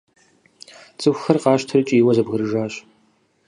ЦӀыкӀухэр къащтэри кӀийуэ зэбгрыжащ.